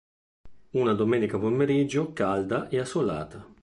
Una domenica pomeriggio calda e assolata.